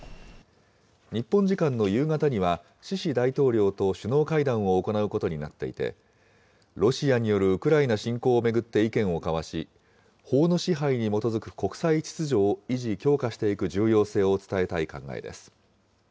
日本時間の夕方には、シシ大統領と首脳会談を行うことになっていて、ロシアによるウクライナ侵攻を巡って意見を交わし、法の支配に基づく国際秩序を維持・強化していく重要性を伝えたい考えです。